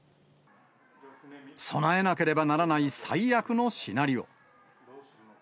備えなければならない最悪のシナリオ。